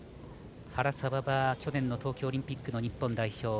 原沢は去年の東京オリンピックの日本代表。